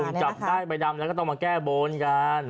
จับได้ใบดำแล้วก็ต้องมาแก้บนกัน